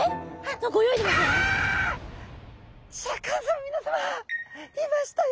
シャーク香音さま皆さまいましたよ！